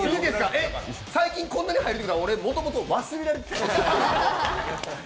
えっ、最近こんなに入るというのは俺、もともと忘れられてた？